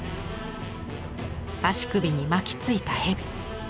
足首に巻きついた蛇。